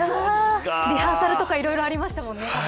リハーサルとかいろいろありましたもんね。